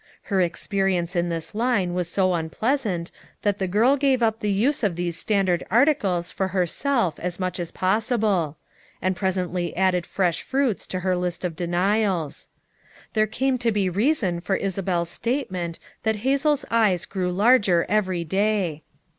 Her experience in this line was so unpleasant that the girl gave up the use of these standard articles for herself as much as possible; and presently added fresh fruits to her list of denials. There came to be reason for Isabel's statement that Hazel's eyes grew larger every day.